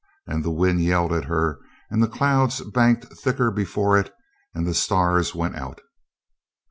. And the wind yelled at her and the clouds banked thicker before it and the stars went out.